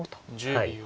はい。